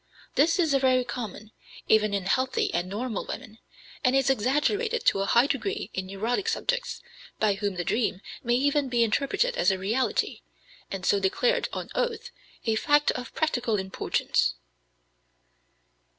This is very common, even in healthy and normal women, and is exaggerated to a high degree in neurotic subjects, by whom the dream may even be interpreted as a reality, and so declared on oath, a fact of practical importance.